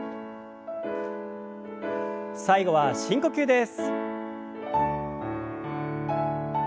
最後は深呼吸です。